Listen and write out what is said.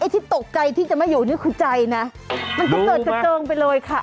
ที่ตกใจที่จะไม่อยู่นี่คือใจนะมันก็เกิดกระเจิงไปเลยค่ะ